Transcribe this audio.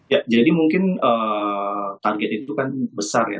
ya jadi mungkin target itu kan besar ya